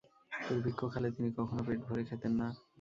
দুর্ভিক্ষকালে তিনি কখনও পেট ভরে খেতেন না।